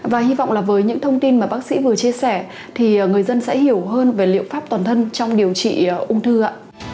và hy vọng là với những thông tin mà bác sĩ vừa chia sẻ thì người dân sẽ hiểu hơn về liệu pháp toàn thân trong điều trị ung thư ạ